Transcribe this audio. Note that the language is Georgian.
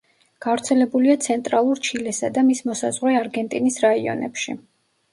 გავრცელებულია ცენტრალურ ჩილესა და მის მოსაზღვრე არგენტინის რაიონებში.